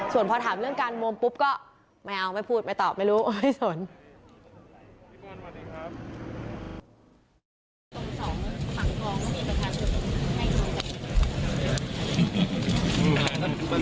ส่วนพอถามเรื่องการโมมปุ๊บก็ไม่เอาไม่พูดไม่ตอบไม่รู้ไม่สน